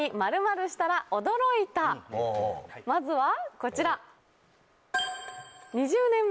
まずはこちら。